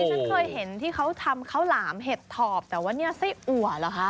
ฉันเคยเห็นที่เขาทำข้าวหลามเห็ดถอบแต่ว่าเนี่ยไส้อัวเหรอคะ